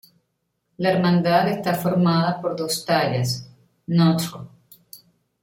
La hermandad está formada por dos tallas, Ntro.